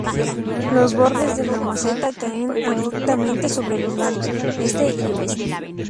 Los bordes de la meseta caen abruptamente sobre los lados este y oeste.